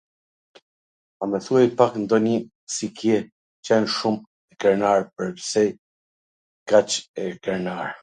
pa mw thuaj pak ndonji si ke qwn shum krenar ... pwrse kaq e krenar